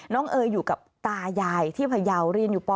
เอยอยู่กับตายายที่พยาวเรียนอยู่ป